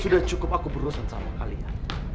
sudah cukup aku berusaha sama kalian